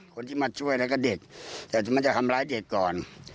คนที่มาช่วยแล้วก็เด็กแต่มันจะทำร้ายเด็กก่อน